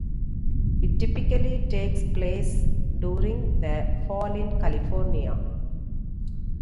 It typically takes place during the Fall in California.